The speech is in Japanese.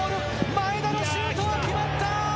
前田のシュート決まった！